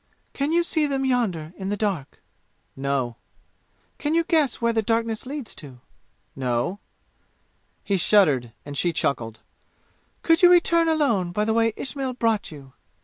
"Can you see them yonder in the dark?" "No." "Can you guess where the darkness leads to?" "No." He shuddered and she chuckled. "Could you return alone by the way Ismail brought you?"